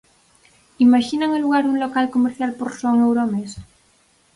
Imaxinan alugar un local comercial por só un euro ao mes?